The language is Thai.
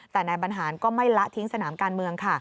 แต่นายบรรหารก็ไม่ละทิ้งสนามการเมืองค่ะ